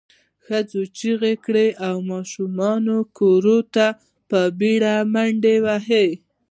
ښځو چیغې کړې او ماشومانو کورونو ته په بېړه منډې ووهلې.